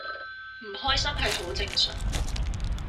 唔開心係好正常